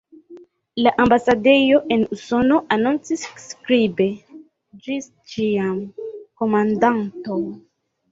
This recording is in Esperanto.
La ambasadejo en Usono anoncis skribe: "Ĝis ĉiam, Komandanto!